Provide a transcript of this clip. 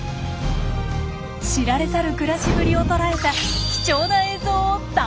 知られざる暮らしぶりを捉えた貴重な映像を大公開です。